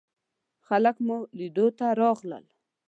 خلک مو لیدلو ته راغلل.